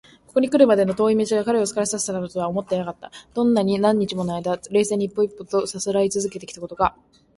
ここにくるまでの遠い道が彼を疲れさせたなどとは思われなかった。どんなに何日ものあいだ、冷静に一歩一歩とさすらいつづけてきたことか！